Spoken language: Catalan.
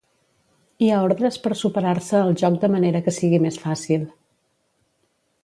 Hi ha ordres per superar-se el joc de manera que sigui més fàcil.